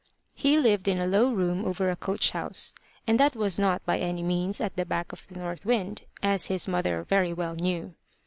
He lived in a low room over a coach house; and that was not by any means at the back of the north wind, as his mother very well knew.